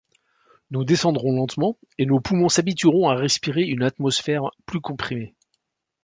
Nous descendrons lentement, et nos poumons s’habitueront à respirer une atmosphère plus comprimée.